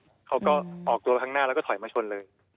เขาก็ออกตัวข้างหน้าแล้วก็ถอยมาชนเลย